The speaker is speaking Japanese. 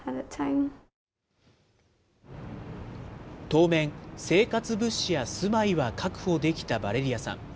当面、生活物資や住まいは確保できたヴァレリヤさん。